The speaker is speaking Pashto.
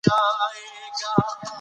يو څو نور مثالونه